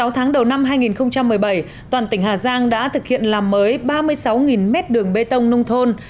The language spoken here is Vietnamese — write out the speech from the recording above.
sáu tháng đầu năm hai nghìn một mươi bảy toàn tỉnh hà giang đã thực hiện làm mới ba mươi sáu mét đường bê tông nông thôn